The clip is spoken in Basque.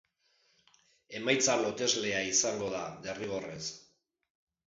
Emaitza loteslea izango da, derrigorrez.